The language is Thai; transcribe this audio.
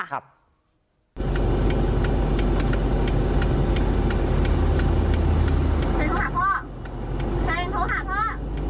พ่อมีคนนี้เขาขวางหน้ารถมันไม่ให้มันออกอ่ะ